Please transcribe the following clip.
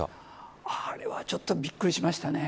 あれはちょっとびっくりしましたね。